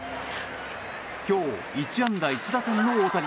今日、１安打１打点の大谷。